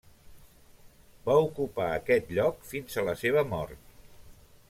Va ocupar aquest lloc fins a la seva mort.